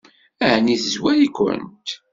Ɛni tezwar-ikent?